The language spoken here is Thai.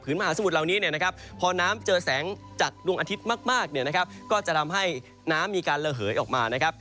มหาสมุทรเหล่านี้เนี่ยนะครับพอน้ำเจอแสงจากดวงอาทิตย์มากเนี่ยนะครับก็จะทำให้น้ำมีการระเหยออกมานะครับ